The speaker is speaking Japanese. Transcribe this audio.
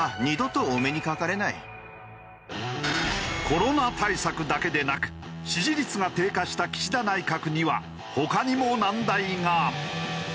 コロナ対策だけでなく支持率が低下した岸田内閣には他にも難題が。